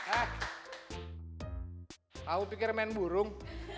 aku pikir main burung